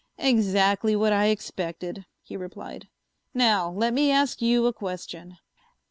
"Exactly what I expected," he replied. "Now let me ask you a question.